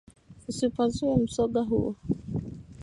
Usipasue mzoga huo